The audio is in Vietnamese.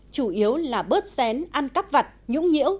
chủ yếu là bớt xén ăn cắp vặt nhũng nhiễu